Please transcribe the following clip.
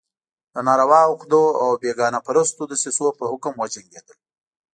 د ناروا عقدو او بېګانه پرستو دسیسو په حکم وجنګېدل.